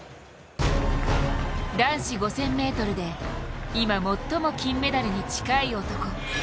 男子５０００ｍで今、最も金メダルに近い男。